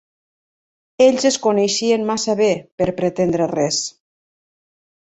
Ells es coneixien massa bé per pretendre res.